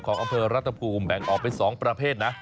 ของอำเภอรัฐภูมิแบ่งออกเป็น๒ประเภทนะ